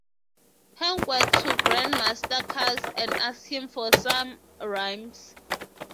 Hank went to Grandmaster Caz and asked him for some rhymes.